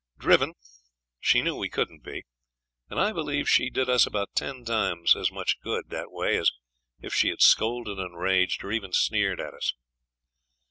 Driven, she knew we couldn't be; and I believe she did us about ten times as much good that way as if she had scolded and raged, or even sneered at us.